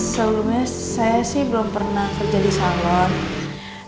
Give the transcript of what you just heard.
sebelumnya saya sih belum pernah kerja di salon